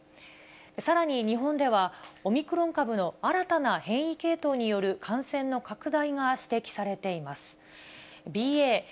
さらに日本では、オミクロン株の新たな変異系統による感染の拡大が指摘されています。